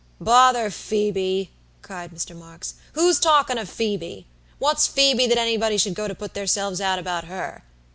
"Bother Phoebe," cried Mr. Marks, "who's a talkin' of Phoebe? What's Phoebe, that anybody should go to put theirselves out about her?